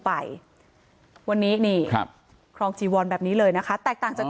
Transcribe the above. ไปวันนี้นี่ครับครองจีวอนแบบนี้เลยนะคะแตกต่างจาก